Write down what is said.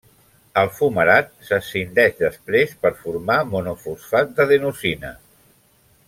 El fumarat s'escindeix després per formar monofosfat d'adenosina.